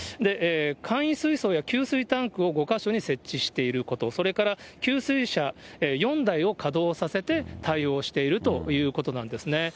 簡易水槽や給水タンクを５か所に設置していること、それから給水車４台を稼働させて、対応しているということなんですね。